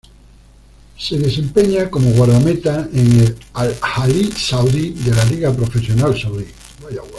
Se desempeña como guardameta en el Al-Ahli Saudi de la Liga Profesional Saudí.